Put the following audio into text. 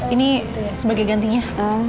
ini sebagai gantinya